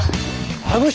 あの人！